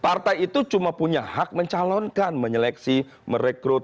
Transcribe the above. partai itu cuma punya hak mencalonkan menyeleksi merekrut